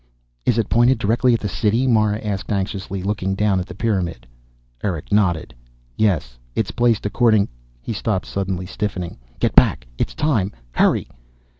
"Is it pointed directly at the City?" Mara asked anxiously, looking down at the pyramid. Erick nodded. "Yes, it's placed according " He stopped, suddenly stiffening. "Get back! It's time! _Hurry!